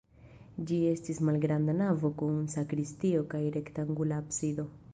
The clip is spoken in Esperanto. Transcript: Ĝi estis malgranda navo kun sakristio kaj rektangula absido.